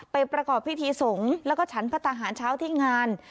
ประกอบพิธีสงฆ์แล้วก็ฉันพระทหารเช้าที่งาน